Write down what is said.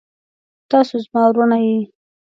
تاسو زما وروڼه يې.